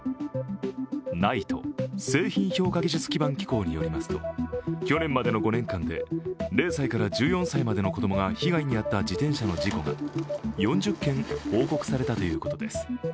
ＮＩＴＥ＝製品評価技術基盤機構によりますと、去年までの５年間で０歳から１４歳までの子供が被害に遭った自転車の事故が４０件報告されたということです。